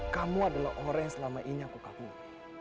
kamu adalah orang yang selama ini aku kakui